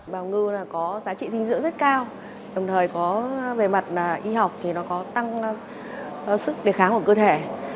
bào ngư có giá trị dinh dưỡng rất cao đồng thời có về mặt y học thì nó có tăng sức đề kháng của cơ thể